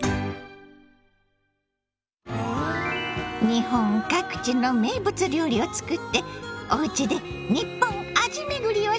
日本各地の名物料理をつくって「おうちでニッポン味めぐり」をしましょ。